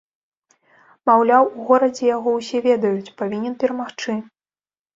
Маўляў, у горадзе яго ўсе ведаюць, павінен перамагчы.